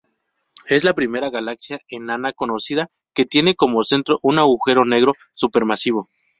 Es la primera galaxia enana conocida que tiene como centro un agujero negro supermasivo.